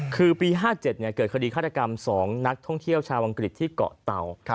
คือปี๕๗เกิดคดีฆาตกรรม๒นักท่องเที่ยวชาวอังกฤษที่เกาะเตา